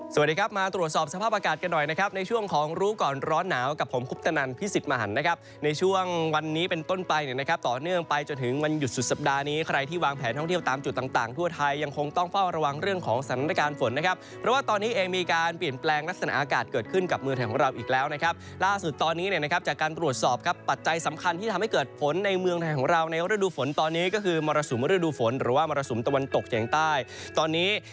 สวัสดีครับมาตรวจสอบสภาพอากาศกันหน่อยนะครับในช่วงของรู้ก่อนร้อนหนาวกับผมคุบตนันพี่สิทธิ์มหันนะครับในช่วงวันนี้เป็นต้นไปนะครับต่อเนื่องไปจนถึงวันหยุดสุดสัปดาห์นี้ใครที่วางแผนท่องเที่ยวตามจุดต่างทั่วไทยยังคงต้องเฝ้าระวังเรื่องของสถานการณ์ฝนนะครับเพราะว่าตอนนี้เองมีการเปลี่